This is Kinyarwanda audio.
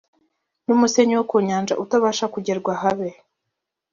n umusenyi wo ku nyanja utabasha kugerwa habe